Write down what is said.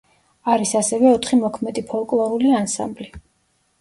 არის ასევე ოთხი მოქმედი ფოლკლორული ანსამბლი.